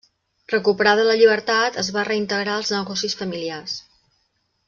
Recuperada la llibertat es va reintegrar als negocis familiars.